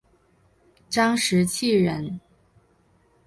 张时彻人。